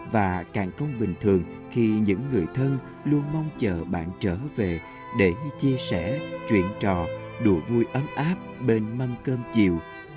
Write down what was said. và càng không bình thường khi những người thân luôn mong chờ bạn trở về để chia sẻ chuyện trò đùa vui ấm áp bên mâm cơm chiều